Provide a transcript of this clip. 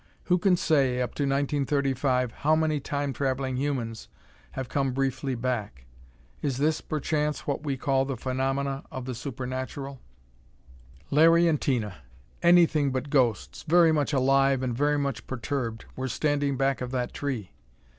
Who can say, up to 1935, how many Time traveling humans have come briefly back? Is this, perchance, what we call the phenomena of the supernatural? Larry and Tina anything but ghosts, very much alive and very much perturbed were standing back of that tree.